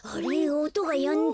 おとがやんだ。